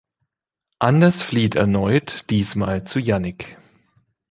Anders flieht erneut, diesmal zu Jannik.